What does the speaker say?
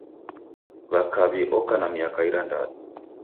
Wa kaw'i oka na miaka irandadu.